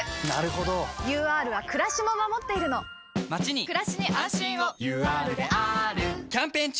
ＵＲはくらしも守っているのまちにくらしに安心をＵＲであーるキャンペーン中！